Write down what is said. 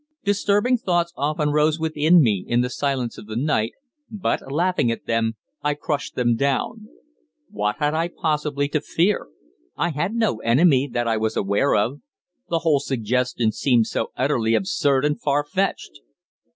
Disturbing thoughts often arose within me in the silence of the night, but, laughing at them, I crushed them down. What had I possibly to fear? I had no enemy that I was aware of. The whole suggestion seemed so utterly absurd and far fetched.